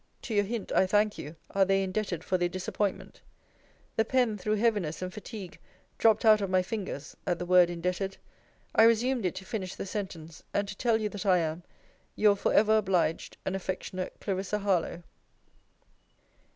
To your hint, I thank you, are they indebted for their disappointment. The pen, through heaviness and fatigue, dropt out of my fingers, at the word indebted. I resumed it, to finish the sentence; and to tell you, that I am, Your for ever obliged and affectionate CL. HARLOWE.